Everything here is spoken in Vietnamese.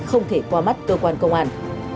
không thể qua mắt cơ quan công an